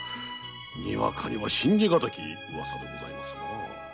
俄には信じがたき噂でございますな。